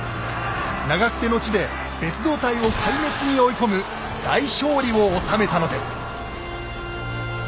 長久手の地で別動隊を壊滅に追い込む大勝利を収めたのです。